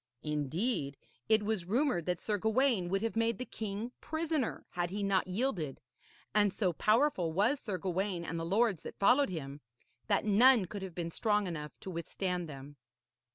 Indeed, it was rumoured that Sir Gawaine would have made the king prisoner had he not yielded; and so powerful was Sir Gawaine and the lords that followed him, that none could have been strong enough to withstand them.